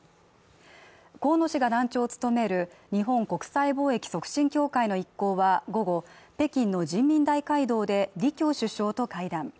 河野氏が団長を務める日本国際貿易促進協会の一行は午後で北京の人民大会堂で李強首相と会談。